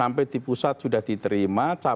sampai di pusat sudah diterima